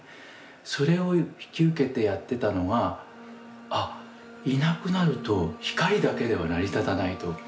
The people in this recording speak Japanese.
それを引き受けてやってたのがあっいなくなると光だけでは成り立たないと。